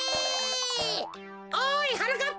おいはなかっ